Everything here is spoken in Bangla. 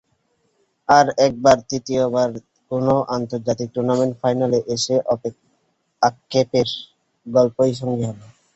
আরও একবার, তৃতীয়বার, কোনো আন্তর্জাতিক টুর্নামেন্টের ফাইনালে এসেও আক্ষেপের গল্পই সঙ্গী হলো।